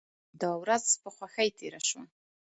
دا ورځ په خوښۍ تیره شوه.